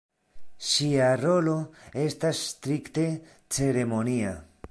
Ŝia rolo estas strikte ceremonia.